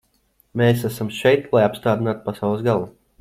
Mēs esam šeit, lai apstādinātu pasaules galu.